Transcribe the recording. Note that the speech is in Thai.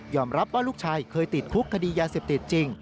รับว่าลูกชายเคยติดคุกคดียาเสพติดจริง